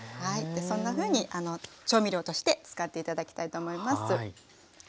そんなふうに調味料として使って頂きたいと思います。